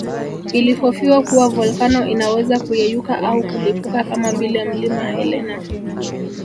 Ilihofiwa kuwa volkano inaweza kuyeyuka au kulipuka kama vile Mlima Helena